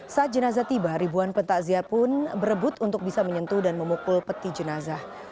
saat jenazah tiba ribuan pentakziah pun berebut untuk bisa menyentuh dan memukul peti jenazah